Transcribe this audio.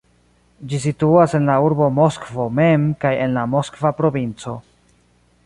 Ĝi situas en la urbo Moskvo mem kaj en la Moskva provinco.